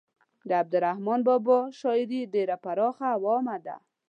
د عبدالرحمان بابا شاعري ډیره پراخه او عامه ده.